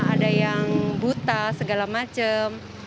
ada yang buta segala macam